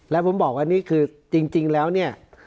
แล้วผมบอกว่านี่คือจริงแล้วเนี่ย